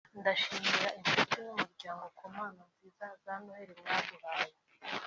“Ndashimira inshuti n’umuryango ku mpano nziza za Noheli mwaduhaye